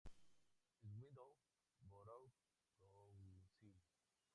Swindon Borough Council